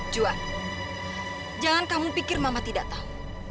juan jangan kamu pikir mama tidak tahu